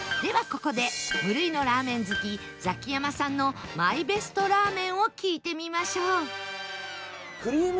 ここで無類のラーメン好きザキヤマさんのマイベストラーメンを聞いてみましょう